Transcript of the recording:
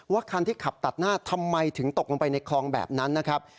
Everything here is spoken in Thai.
คันที่ขับตัดหน้าทำไมถึงตกลงไปในคลองแบบนั้นนะครับ